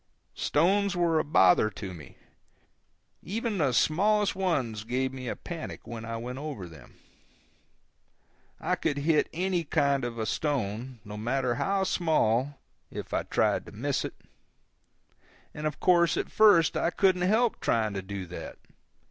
Stones were a bother to me. Even the smallest ones gave me a panic when I went over them. I could hit any kind of a stone, no matter how small, if I tried to miss it; and of course at first I couldn't help trying to do that.